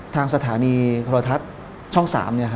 ทางสถานีโทรทัศน์ช่อง๓